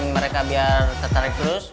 mereka biar tertarik terus